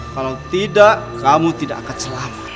kalau tidak kamu tidak akan selamat